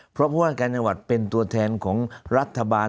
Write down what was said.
เพราะผู้ว่าการจังหวัดเป็นตัวแทนของรัฐบาล